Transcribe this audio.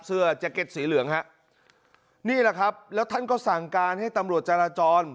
แจ็คเก็ตสีเหลืองฮะนี่แหละครับแล้วท่านก็สั่งการให้ตำรวจจราจร